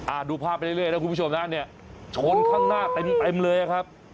อ่าดูภาพไปเรื่อยแล้วคุณผู้ชมนั้นโชนข้างหน้าเต็มเลยครับ